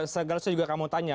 segera saya juga mau tanya